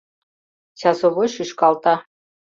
Часовой шӱшкалта.